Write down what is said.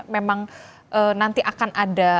memang nanti akan ada